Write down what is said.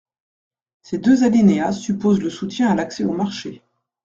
Ces deux alinéas supposent le soutien à l’accès aux marchés.